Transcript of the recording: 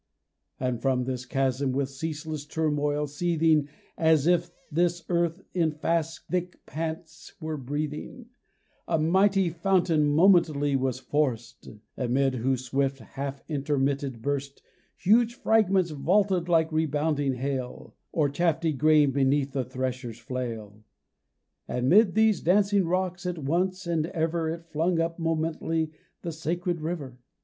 And from this chasm, with ceaseless turmoil seething As if this earth in fast thick pants were breathing, A mighty fountain momently was forced : Amid whose swift half intermitted burst Huge fragments vaulted like rebounding hail, Or chaft'y grain beneath the thresher's flail; And 'mid these dancing rocks at once and ever [191 RAINBOW GOLD It flung up momently the sacred river.